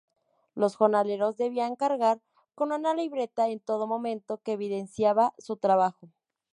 Los jornaleros debían cargar con una libreta en todo momento que evidenciaba su trabajo.